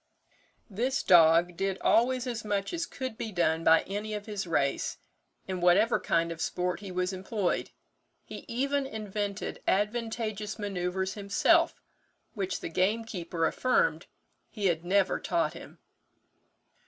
"This dog did always as much as could be done by any of his race, in whatever kind of sport he was employed; he even invented advantageous manoeuvres himself, which the gamekeeper affirmed he had never taught him.